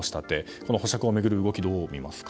この保釈を巡る動きをどうみますか？